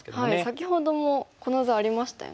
先ほどもこの図ありましたよね。